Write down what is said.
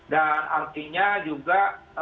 dan artinya juga